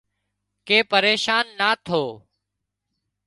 ڪي پريشان نا ٿو